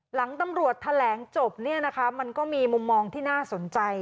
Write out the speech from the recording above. หลังตำรวจแถลงจบมันก็มีมุมมองที่น่าสนใจ